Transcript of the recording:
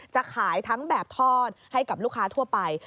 จะขายทั้งแบบทอดให้กับลูกค้าทั่วไป